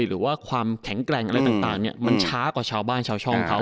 หรือว่าความแข็งแกร่งอะไรต่างมันช้ากว่าชาวบ้านชาวช่องเขา